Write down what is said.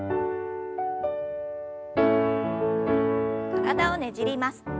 体をねじります。